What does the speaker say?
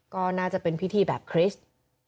ก็น่าจะเป็นพิธีแบบคริสต์